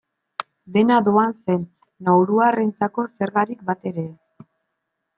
Dena doan zen nauruarrentzako, zergarik batere ez.